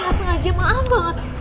enggak sengaja maaf banget